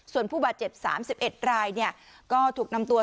ส่วนผู้บัตรเจ็บสามสิบเอ็ดรายเนี่ยก็ถูกนำตัว